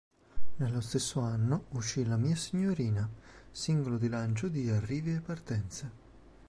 Nello stesso anno uscì "La mia signorina", singolo di lancio di "Arrivi e partenze".